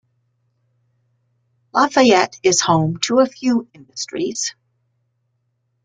Lafayette is home to a few industries.